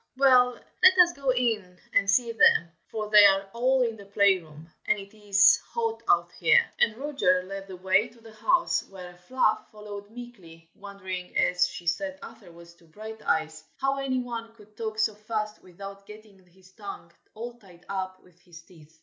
well, let us go in and see them, for they are all in the play room, and it is hot out here!" And Roger led the way to the house, while Fluff followed meekly, wondering, as she said afterwards to Brighteyes, how any one could talk so fast without "getting his tongue all tied up with his teeth."